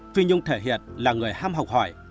phi nhung thể hiện là người ham học hỏi